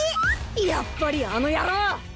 やっぱりあの野郎！